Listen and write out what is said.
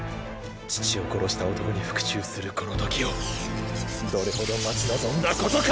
父を殺した男に復讐するこのときをどれほど待ち望んだことか！